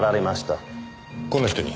この人に？